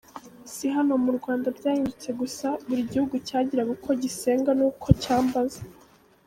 Si hano mu Rwanda byahindutse gusa, buri gihugu cyagiraga uko gisenga n’uko cyambaza.